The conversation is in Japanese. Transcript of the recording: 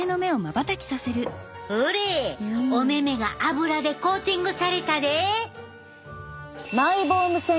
ほれお目々がアブラでコーティングされたで！